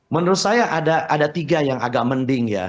menurut saya ada tiga yang agak mending ya